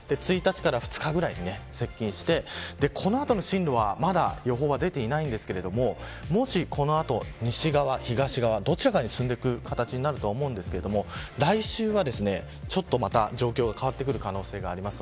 １日から２日ぐらいに接近してこの後の進路は予報がありませんがもしこの後、西側、東側どちらかに進む形だと思いますが来週はちょっと状況が変わってくる可能性があります。